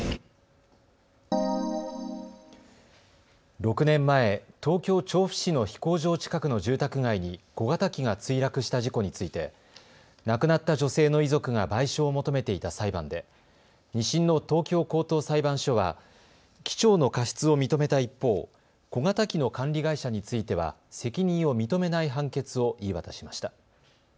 ６年前、東京調布市の飛行場近くの住宅街に小型機が墜落した事故について亡くなった女性の遺族が賠償を求めていた裁判で２審の東京高等裁判所は機長の過失を認めた一方、小型機の管理会社については責任を認めない判決を言い渡しました。